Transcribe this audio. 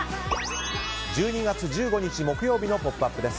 １２月１５日、木曜日の「ポップＵＰ！」です。